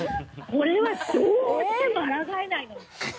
これはどうしてもあらがえないのよ。